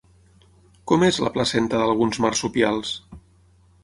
Com és la placenta d'alguns marsupials?